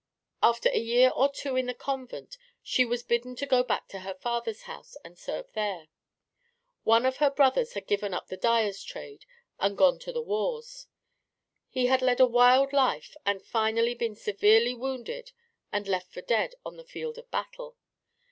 After a year or two in the convent she was bidden to go back to her father's house and serve there. One of her brothers had given up the dyer's trade and gone to the wars. He had led a wild life and finally been severely wounded and left for dead on the field of battle.